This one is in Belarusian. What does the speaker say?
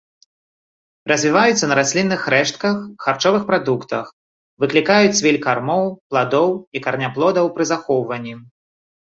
Развіваюцца на раслінных рэштках, харчовых прадуктах, выклікаюць цвіль кармоў, пладоў і караняплодаў пры захоўванні.